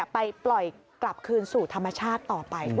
ไปปล่อยกลับคืนสู่ธรรมชาติต่อไป